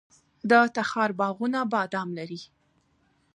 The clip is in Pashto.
د تخار باغونه بادام لري.